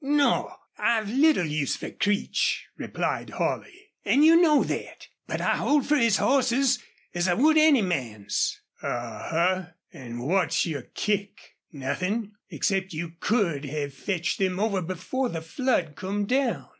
"Naw! I've little use fer Creech," replied Holley. "An' you know thet. But I hold for his hosses as I would any man's." "A huh! An' what's your kick?" "Nothin' except you could have fetched them over before the flood come down.